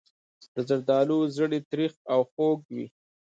د زردالو زړې تریخ او خوږ وي.